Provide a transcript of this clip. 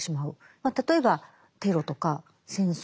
例えばテロとか戦争